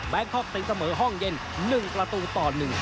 แบงค์คลอบติดเสมอห้องเย็น๑ประตูต่อ๑